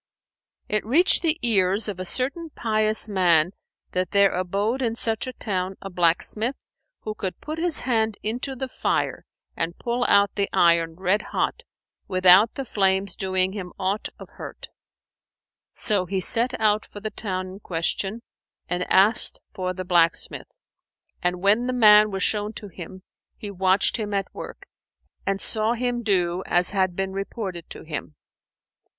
It reached the ears of a certain pious man that there abode in such a town a blacksmith, who could put his hand into the fire and pull out the iron red hot, without the flames doing him aught of hurt.[FN#482] So he set out for the town in question and asked for the blacksmith; and, when the man was shown to him, he watched him at work and saw him do as had been reported to him.